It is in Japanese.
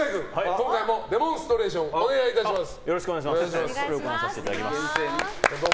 今回もデモンストレーションをお願いいたします。